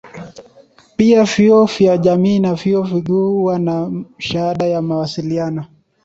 Pia vyuo vya jamii na vyuo vikuu huwa na shahada ya mawasiliano.